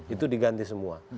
itu diganti semua